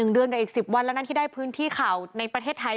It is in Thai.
เดือนกับอีก๑๐วันแล้วนะที่ได้พื้นที่ข่าวในประเทศไทย